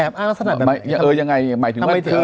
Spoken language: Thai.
แอบอ้างในสถานที่ไหน